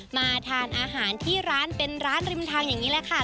มาทานอาหารที่ร้านเป็นร้านริมทางอย่างนี้แหละค่ะ